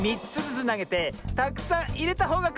つなげてたくさんいれたほうがかちよ！